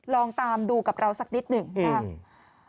ลองตามดูกับเราสักนิดหนึ่งนะครับ